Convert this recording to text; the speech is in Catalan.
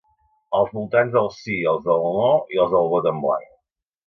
Als votants del sí i als del no, i als del vot en blanc.